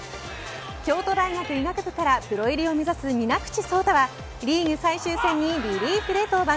京都大学医学部からプロ入りを目指す水口創太はリーグ最終戦にリリーフで登板。